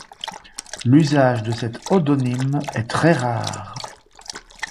L'usage de cet odonyme est très rare.